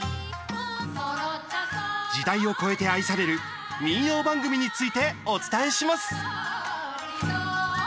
時代を超えて愛される民謡番組についてお伝えします。